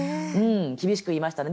厳しく言いましたね。